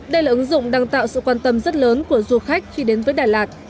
đây là ứng dụng đang tạo sự quan tâm rất lớn của du khách khi đến với đà lạt